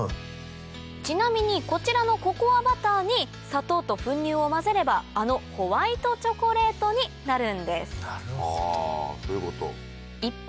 ちなみにこちらのココアバターに砂糖と粉乳を混ぜればあのホワイトチョコレートになるんです一方